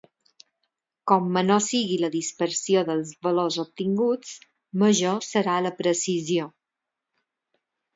Com menor sigui la dispersió dels valors obtinguts, major serà la precisió.